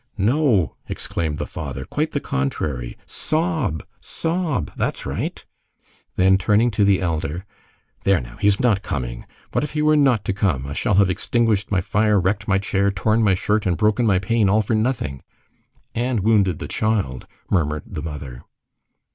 "No!" exclaimed the father, "quite the contrary! sob! sob! that's right." Then turning to the elder:— "There now! He is not coming! What if he were not to come! I shall have extinguished my fire, wrecked my chair, torn my shirt, and broken my pane all for nothing." "And wounded the child!" murmured the mother.